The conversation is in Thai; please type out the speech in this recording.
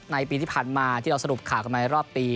ในปีที่ผ่านมาที่เราสรุปข่าวกันมารอบปี